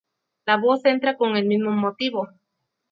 La voz entra con el mismo motivo.